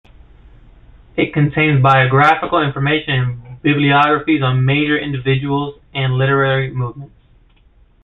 It contains biographical information and bibliographies on major individuals and literary movements.